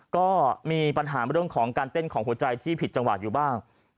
ก็มีปัญหาเรื่องของการเต้นของหัวใจที่ผิดจังหวะอยู่บ้าง